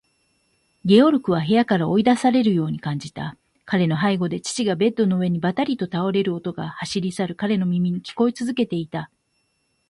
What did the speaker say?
ゲオルクは部屋から追い出されるように感じた。彼の背後で父がベッドの上にばたりと倒れる音が、走り去る彼の耳に聞こえつづけていた。